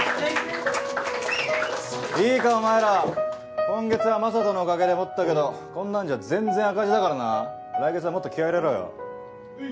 いいかお前ら今月はＭａｓａｔｏのおかげでもったけどこんなんじゃ全然赤字だからな来月はもっと気合い入れろよ。